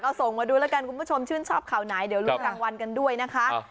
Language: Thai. ก็ส่งมาดูแล้วกันคุณผู้ชมชื่นชอบข่าวไหนเดี๋ยวรู้รางวัลกันด้วยนะคะ